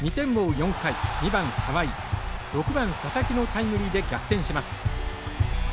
４回２番沢井６番佐々木のタイムリーで逆転します。